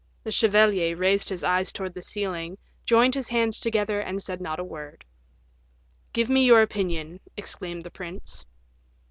The chevalier raised his eyes towards the ceiling, joined his hands together, and said not a word. "Give me your opinion," exclaimed the prince.